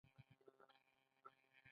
ایا خدای دې ستاسو اولاد وساتي؟